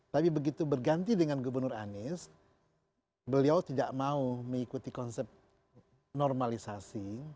tapi begitu berganti dengan gubernur anies beliau tidak mau mengikuti konsep normalisasi